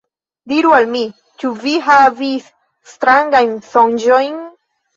Diru al mi. Ĉu vi havis strangajn sonĝojn?